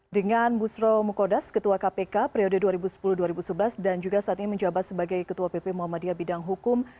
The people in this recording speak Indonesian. dengan busro mukodas ketua kpk periode dua ribu sepuluh dua ribu sebelas dan juga saat ini menjabat sebagai ketua pp muhammadiyah bidang hukum